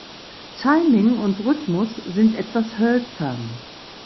Timing und Rhythmus sind etwas hölzern.